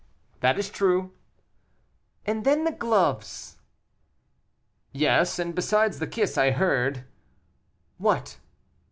"That is true." "And then the gloves " "Yes, and besides the kiss, I heard " "What?"